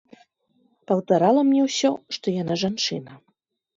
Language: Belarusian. Паўтарала мне ўсё, што яна жанчына.